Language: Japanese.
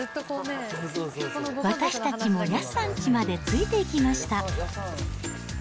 私たちも、やっさんちまでついていきました。